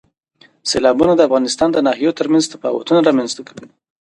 سیلابونه د افغانستان د ناحیو ترمنځ تفاوتونه رامنځ ته کوي.